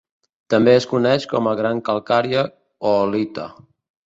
També es coneix com a gran calcària oolita.